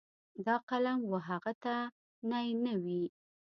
دا قلم و هغه ته نی نه وي.